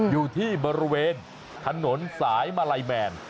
อยู่ที่บริเวณถนนสายมาลัยแมน